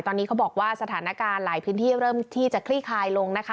ตอนนี้เขาบอกว่าสถานการณ์หลายพื้นที่เริ่มที่จะคลี่คลายลงนะคะ